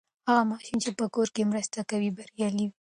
هغه ماشوم چې په کور کې مرسته کوي، بریالی وي.